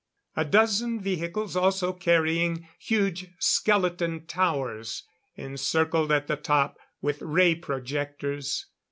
A dozen vehicles also carrying huge skeleton towers, encircled at the top with ray projectors.